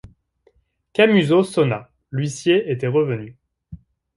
Camusot sonna, l’huissier était revenu.